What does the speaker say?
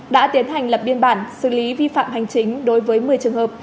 đã tiến hành lập biên bản xử lý vi phạm hành chính đối với một mươi trường hợp